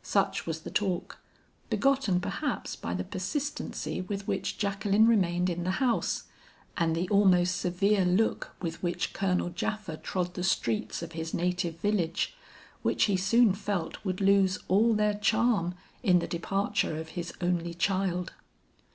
Such was the talk, begotten perhaps by the persistency with which Jacqueline remained in the house, and the almost severe look with which Colonel Japha trod the streets of his native village, which he soon felt would lose all their charm in the departure of his only child.